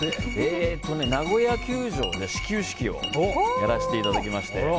ナゴヤ球場で始球式をやらせていただきまして。